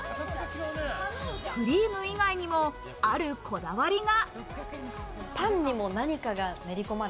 クリーム以外にもあるこだわりが。